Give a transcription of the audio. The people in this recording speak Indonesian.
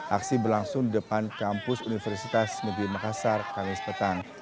aksi berlangsung di depan kampus universitas negeri makassar kamis petang